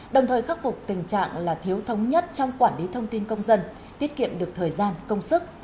đồng thời khắc phục tình trạng là thiếu thống nhất trong quản lý thông tin công dân tiết kiệm được thời gian công sức